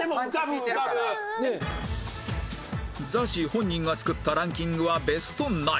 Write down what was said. ＺＡＺＹ 本人が作ったランキングはベスト９